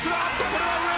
これは上！